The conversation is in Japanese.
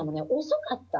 遅かった。